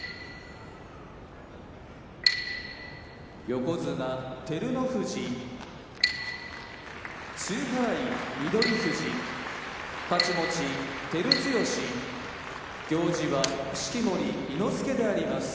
横綱照ノ富士露払い翠富士太刀持ち照強行司は式守伊之助であります。